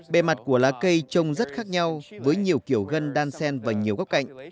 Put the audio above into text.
bề mặt của lá cây trông rất khác nhau với nhiều kiểu gân đan sen và nhiều góc cạnh